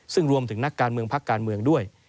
ซึ่งรวมถึงนักการเมืองพักการเมืองด้วย